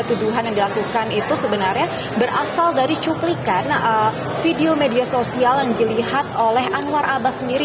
tuduhan yang dilakukan itu sebenarnya berasal dari cuplikan video media sosial yang dilihat oleh anwar abbas sendiri